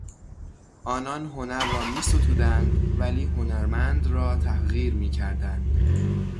آنان هنر را میستودند ولی هنرمند را تحقیر میکردند.